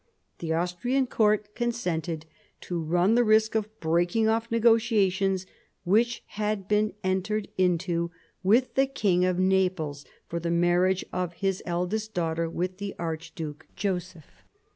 The Austrian court consented to run the risk of breaking off negotiations which had been entered into with the King of Naples, for the marriage of his eldest daughter with the Archduke Joseph.